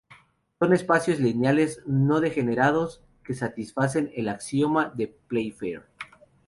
Son espacios lineales no degenerados que satisfacen el axioma de Playfair.